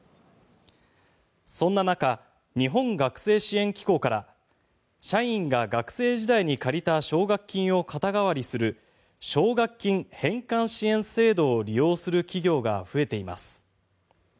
そんな中、日本学生支援機構から社員が学生時代に借りた奨学金を肩代わりする奨学金返済支援制度を利用する企業が増えています。